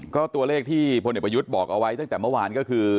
ก็ตัวเลขที่พลเอกประยุทธ์บอกเอาไว้ตั้งแต่เมื่อวานก็คือ